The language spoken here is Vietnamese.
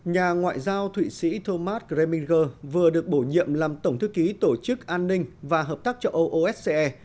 nhà ngoại giao thụy sĩ thomas greminger vừa được bổ nhiệm làm tổng thư ký tổ chức an ninh và hợp tác cho oosce